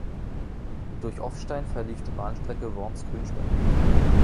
Durch Offstein verlief die Bahnstrecke Worms–Grünstadt.